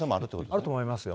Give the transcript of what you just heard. あると思いますよ。